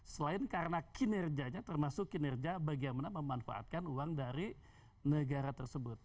selain karena kinerjanya termasuk kinerja bagaimana memanfaatkan uang dari negara tersebut